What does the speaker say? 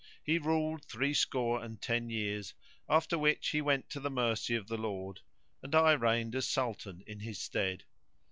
He ruled three score and ten years, after which he went to the mercy of the Lord and I reigned as Sultan in his stead.